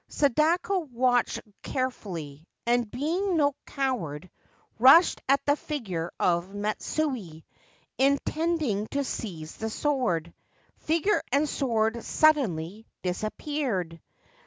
Sadako watched carefully, and, being no coward, rushed at the figure of Matsue, intending to seize the sword. Figure and sword suddenly disappeared.